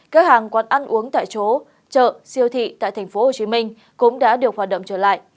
các hàng quán ăn uống tại chỗ chợ siêu thị tại tp hcm cũng đã được hoạt động trở lại